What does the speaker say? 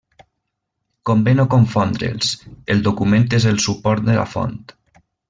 Convé no confondre'ls, el document és el suport de la font.